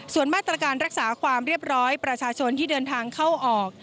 ส่วนมาตรการรักษาความเรียบร้อยประชาชนที่เดินทางเข้าออก